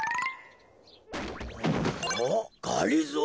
・おっがりぞー？